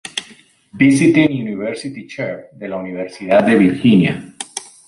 Visiting University Chair" de la Universidad de Virginia.